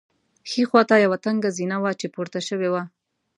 ښي خوا ته یوه تنګه زینه وه چې پورته شوې وه.